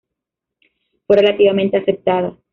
Fue relativamente aceptada.